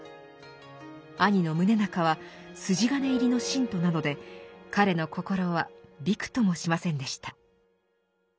兄の宗仲は筋金入りの信徒なので彼の心はびくともしませんでした。